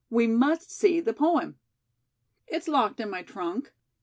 "We must see the poem." "It's locked in my trunk."